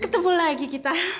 ketemu lagi kita